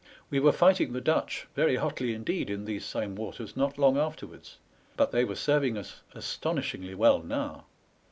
We were fighting the Dutch very hotly indeed in these same waters not long afterwards, but they were serving us astonishingly well now.